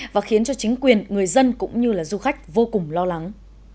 và khiến cho chính quyền người dân cũng như là du khách vô cùng lo lắng